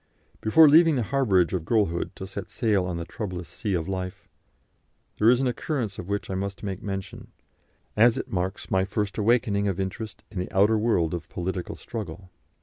Before leaving the harbourage of girlhood to set sail on the troublous sea of life, there is an occurrence of which I must make mention, as it marks my first awakening of interest in the outer world of political struggle.